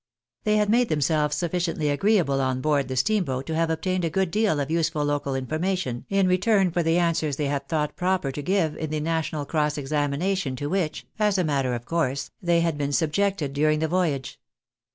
They had made themselves sufficiently agreeable on board the steamboat to have obtained a good deal of useful local information in return for the ansvs^ers they had thought proper to give in the national cross examination to which, as a matter of course, they had been subjected during the voyage.